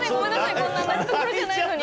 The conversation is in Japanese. こんな泣くところじゃないのに。